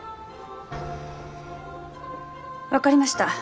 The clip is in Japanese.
分かりました。